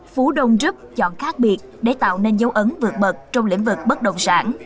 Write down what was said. phú đông group chọn khác biệt để tạo nên dấu ấn vượt bật trong lĩnh vực bất đồng sản